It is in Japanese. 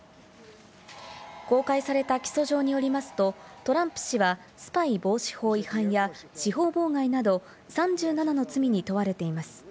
公開された起訴状によりますと、トランプ氏はスパイ防止法違反や司法妨害など、３７の罪に問われています。